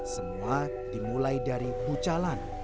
semua dimulai dari bucalan